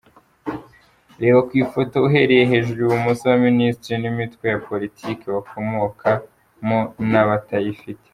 Reba ku ifoto uhereye hejuru ibumoso abaminisitiri n’imitwe ya politiki bakomokamo n’abatayifite:.